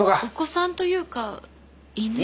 お子さんというか犬。